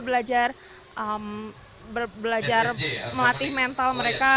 belajar melatih mental mereka